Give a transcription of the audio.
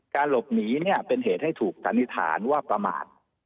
หลบหนีเนี่ยเป็นเหตุให้ถูกสันนิษฐานว่าประมาท